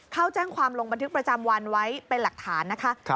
เข้าแจ้งความลงบันทึกประจำวันไว้เป็นหลักฐานนะคะ